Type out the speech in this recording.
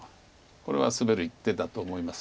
これはスベる一手だと思います。